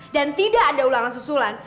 dan tidak ada ulangan susulan